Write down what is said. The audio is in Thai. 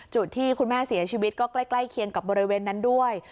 จุดที่คุณแม่เสียชีวิตก็ใกล้เคียงกับบริเวณนั้นด้วย